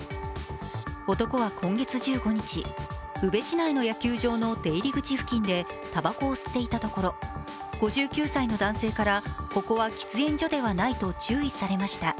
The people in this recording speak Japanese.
男は今月１５日、宇部市内の野球場の出入り口付近でたばこを吸っていたところ、５９歳の男性からここは喫煙所ではないと注意されました。